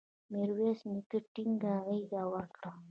میرویس نیکه ټینګه غېږ ورکړه.